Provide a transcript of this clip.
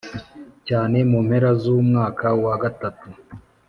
cyane Mu mpera z umwaka wa gatatu